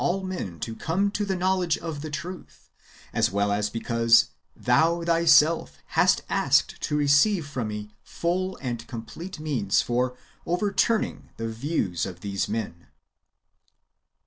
173 all men to come to the knowledge of the truth, as well as because thou thyself hast asked to receive from me full and complete means for overturning [the view^s of] these men.